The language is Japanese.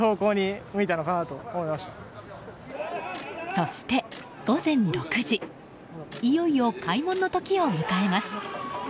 そして、午前６時いよいよ開門の時を迎えます。